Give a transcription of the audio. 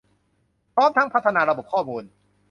พร้อมทั้งพัฒนาระบบข้อมูล